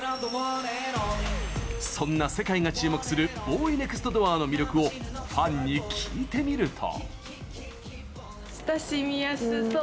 そんな世界が注目するＢＯＹＮＥＸＴＤＯＯＲの魅力をファンに聞いてみると。